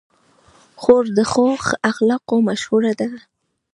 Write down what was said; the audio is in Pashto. خور د ښو اخلاقو مشهوره ده.